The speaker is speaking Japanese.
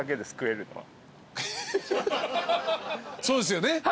そうですよね。